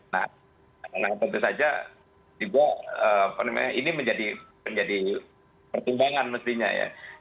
nah tentu saja juga ini menjadi pertimbangan mestinya ya